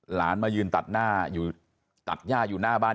หลานมายืนตัดหน้าอยู่ตัดย่าอยู่หน้าบ้าน